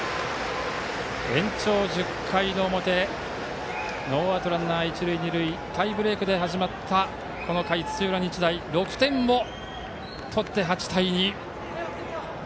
延長１０回の表ノーアウトランナー、一塁二塁タイブレークで始まったこの回土浦日大が６点を取って８対２。